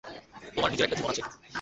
তোমার নিজের একটা জীবন আছে।